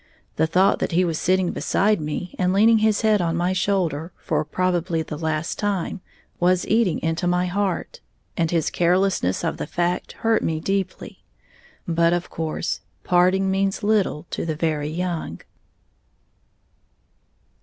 The thought that he was sitting beside me, and leaning his head on my shoulder, for probably the last time, was eating into my heart; and his carelessness of the fact hurt me deeply. But of course parting means little to the very young.